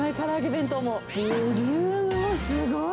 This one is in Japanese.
弁当も、ボリュームもすごい。